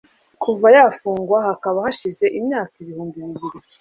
kuva yafungwa hakaba hashize imyaka ibihumbi bibiri